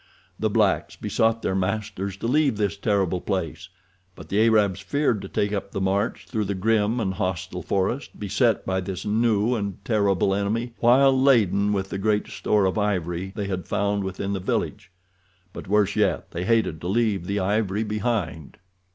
The blacks besought their masters to leave this terrible place, but the Arabs feared to take up the march through the grim and hostile forest beset by this new and terrible enemy while laden with the great store of ivory they had found within the village; but, worse yet, they hated to leave the ivory behind.